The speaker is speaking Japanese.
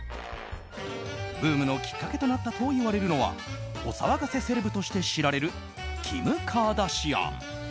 ブームのきっかけとなったといわれるのはお騒がせセレブとして知られるキム・カーダシアン。